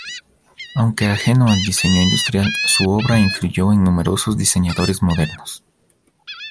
Aunque ajeno al diseño industrial, su obra influyó en numerosos diseñadores modernos.